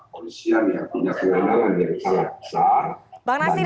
polisian yang punya kewenangan yang sangat besar